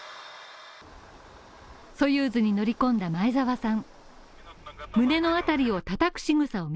ソユーズに乗り込んだ前澤さん。